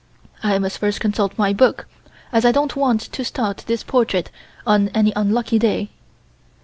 I must first consult my book, as I don't want to start this portrait on an unlucky day."